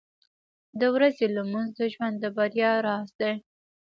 • د ورځې لمونځ د ژوند د بریا راز دی.